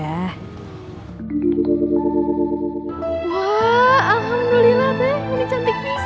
wah alhamdulillah teh